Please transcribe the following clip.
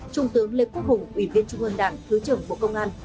trung tướng lê quốc hùng ủy viên trung ương đảng thứ trưởng bộ công an